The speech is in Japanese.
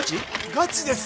ガチです！